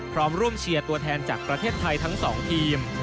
พร้อมร่วมเชียร์ตัวแทนจากประเทศไทยทั้ง๒ทีม